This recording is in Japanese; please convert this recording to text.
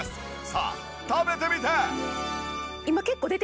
さあ食べてみて。